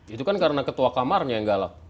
itu kan karena ketua kamarnya yang galak